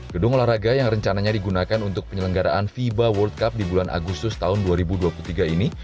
gedung olahraga yang rencananya digunakan untuk penyelenggaraan fiba world cup di bulan agustus tahun dua ribu dua puluh tiga ini